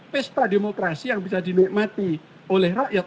pesta demokrasi yang bisa dinikmati oleh rakyat